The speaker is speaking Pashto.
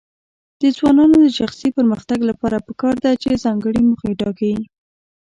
د ځوانانو د شخصي پرمختګ لپاره پکار ده چې ځانګړي موخې ټاکي.